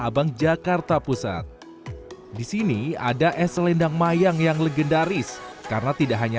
jepang jakarta pusat di sini ada es selendang mayang yang legendaris karena tidak hanya